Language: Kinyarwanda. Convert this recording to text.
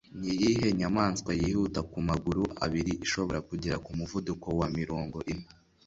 Niyihe nyamaswa yihuta kumaguru abiri ishobora kugera ku muvuduko wa mirongo ine?